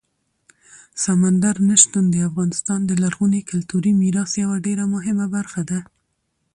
سمندر نه شتون د افغانستان د لرغوني کلتوري میراث یوه ډېره مهمه برخه ده.